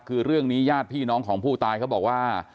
คือเรื่องนี้ญาติพี่น้องของผู้ตายเขาบอกว่า